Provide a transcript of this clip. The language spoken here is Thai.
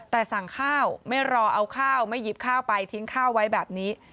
แต่สั่งข้าวไม่รอเอาข้าวไม่หยิบข้าวไปทิ้งข้าวไว้แบบนี้